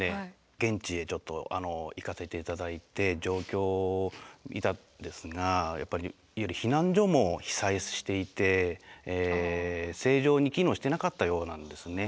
現地へちょっと行かせて頂いて状況を見たんですがやっぱりいわゆる避難所も被災していて正常に機能してなかったようなんですね。